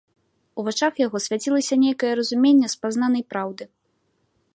У вачах яго свяцілася нейкае разуменне спазнанай праўды.